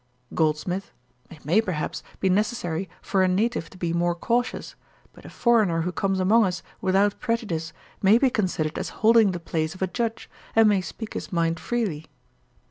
GOLDSMITH. 'It may, perhaps, be necessary for a native to be more cautious; but a foreigner who comes among us without prejudice, may be considered as holding the place of a Judge, and may speak his mind freely.'